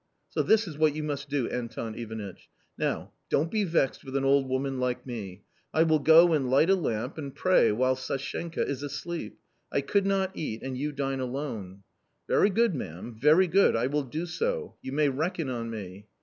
So this is what you must do, Anton Ivanitch ; now don't be vexed with an old woman like me ; I will go and light a lamp and pray while Sashenka is asleep ; I could not eat ; and you dine alone." " Very good, ma'am, very good, I will do so ; you may reckon on me."